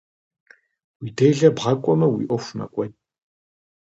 Уи делэ бгъэкIуэмэ, уи Iуэху мэкIуэд.